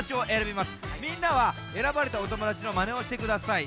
みんなはえらばれたおともだちのマネをしてください。